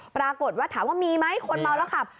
ปรากฏว่าถามว่ามีไหมคนเมาแล้วขับ